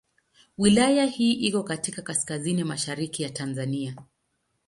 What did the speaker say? Wilaya hii iko katika kaskazini mashariki ya Tanzania.